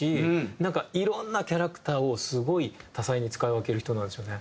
なんかいろんなキャラクターをスゴい多彩に使い分ける人なんですよね。